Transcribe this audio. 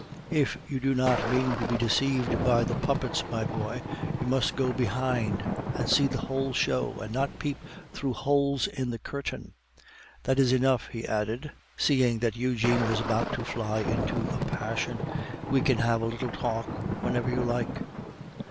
"If you do not mean to be deceived by the puppets, my boy, you must go behind and see the whole show, and not peep through holes in the curtain. That is enough," he added, seeing that Eugene was about to fly into a passion. "We can have a little talk whenever you like."